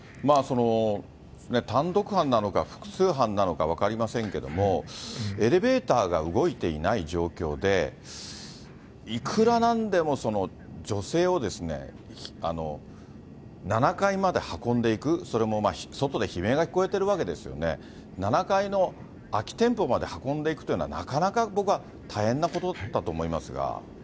単独犯なのか、複数犯なのか分かりませんけれども、エレベーターが動いていない状況で、いくらなんでも女性を７階まで運んでいく、それも外で悲鳴が聞こえているわけですよね、７階の空き店舗まで運んでいくというのは、なかなか僕は大変なことだと思いますが。